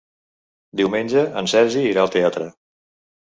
Diumenge en Sergi irà al teatre.